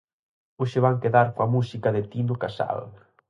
Hoxe van quedar coa música de Tino Casal.